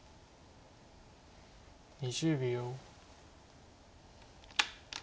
２０秒。